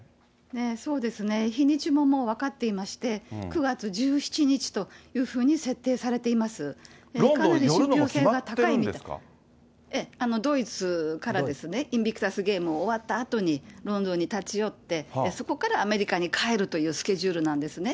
そうですね、日にちももう分かっていまして、９月１７日といロンドン寄るのも決まってるええ、ドイツからですね、インビクタス・ゲームが終わったあとに、ロンドンに立ち寄って、そこからアメリカに帰るというスケジュールなんですね。